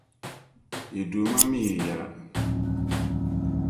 Yi Duuma mi yi yɛla.